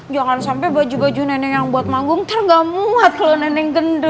jangan sampai baju baju neneng yang buat magung ntar nggak muat kalau neneng gendut